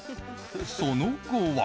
その後は。